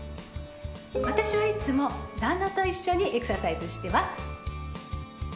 私はいつも旦那と一緒にエクササイズしてます。